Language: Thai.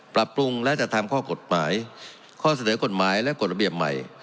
ปรับปรุงและจัดทำข้อกฎหมายข้อเสนอกฎหมายและกฎระเบียบใหม่